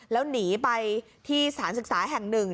แล้วหนีไปที่สถานศึกษาแห่งหนึ่ง